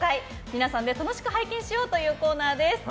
皆さんで楽しく拝見しようというコーナーです。